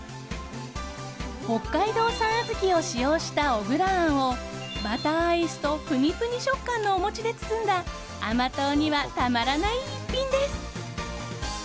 北海道産小豆を使用した小倉あんをバターアイスとぷにぷに食感のお餅で包んだ甘党には、たまらない逸品です。